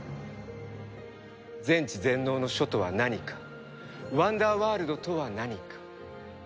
全知全能の書とは何かワンダーワールドとは何か。